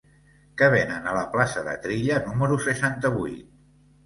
Què venen a la plaça de Trilla número seixanta-vuit?